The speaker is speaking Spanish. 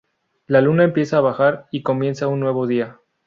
La luna empieza a bajar y comienza un nuevo día.